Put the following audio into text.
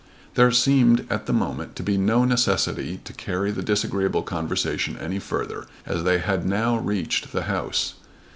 There seemed at the moment to be no necessity to carry the disagreeable conversation any further as they had now reached the house.